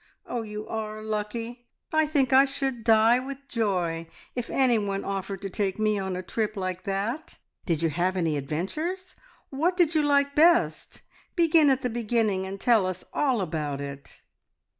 Oh, you are lucky! I think I should die with joy if anyone offered to take me a trip like that. Did you have any adventures? What did you like best? Begin at the beginning, and tell us all about it!"